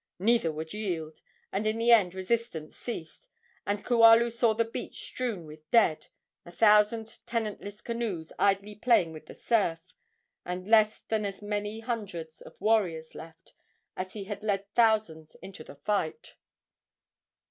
Neither would yield, and in the end resistance ceased, and Kualu saw the beach strewn with dead, a thousand tenantless canoes idly playing with the surf, and less than as many hundreds of warriors left as he had led thousands into the fight.